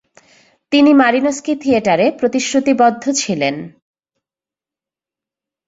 তিনি মারিনস্কি থিয়েটারে প্রতিশ্রুতিবদ্ধ ছিলেন।